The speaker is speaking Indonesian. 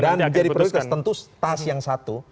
dan menjadi prioritas tentu tas yang satu